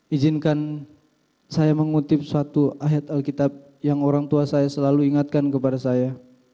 izinkan saya mengutip suatu ayat alkitab yang orang tua saya selalu ingatkan kepada saya